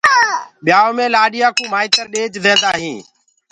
ٻِيآئو مي لآڏيآ ڪو مآئتر ڏيج دينٚدآ هيٚنٚ